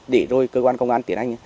để rồi cơ quan công an tiến hành